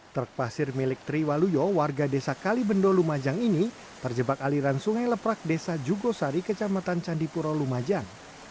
truk pasir milik triwaluyo warga desa kalibendo lumajang ini terjebak aliran sungai leprak desa jugosari kecamatan candipuro lumajang